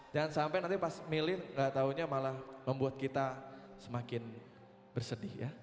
jangan sampai nanti pas milih gak taunya malah membuat kita semakin bersedih ya